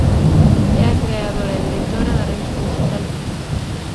É a creadora e directora da revista dixital "Vinte".